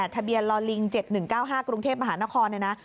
ทะเบียร์ลอลิง๗๑๙๕กรุงเทพฯมหานคร